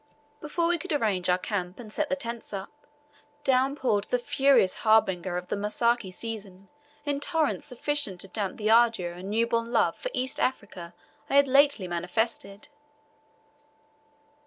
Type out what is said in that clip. Before we could arrange our camp and set the tents up, down poured the furious harbinger of the Masika season in torrents sufficient to damp the ardor and newborn love for East Africa I had lately manifested.